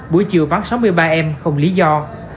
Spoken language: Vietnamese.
buổi chiều vắng sáu mươi ba em không lý do